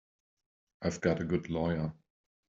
I've got a good lawyer.